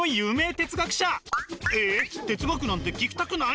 哲学なんて聞きたくない？